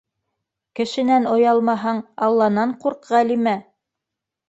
Кешенән оялмаһаң, Алланан ҡурҡ, Ғәлимә!